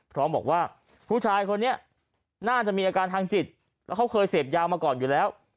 พร้อมบอกว่าผู้ชายคนนี้น่าจะมีอาการทางจิตแล้วเขาเคยเสพยามาก่อนอยู่แล้ว